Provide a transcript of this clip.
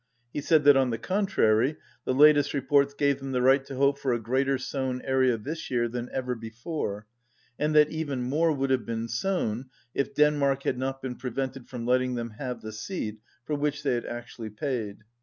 He said that on the contrary the latest reports gave them the right to hope for a greater sown area this year than ever before, and that even more would have been sown if Den mark had not been prevented from letting them have the seed for which they had actually paid.